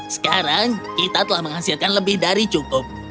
sekarang kita telah menghasilkan lebih dari cukup